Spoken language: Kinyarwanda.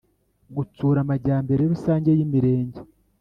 gutsura amajyambere rusange y Imirenge